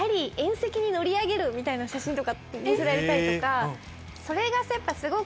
みたいな写真とか載せられたりとか。